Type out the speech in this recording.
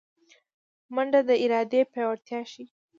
منډه د ارادې پیاوړتیا ښيي